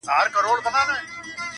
o خو اصلي درد هېڅوک نه درک کوي سم,